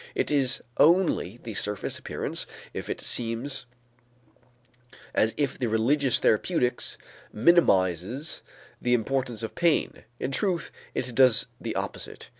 It is only the surface appearance if it seems as if the religious therapeutics minimizes the importance of pain; in truth it does the opposite.